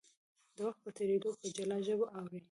د وخت په تېرېدو په جلا ژبو اوړي.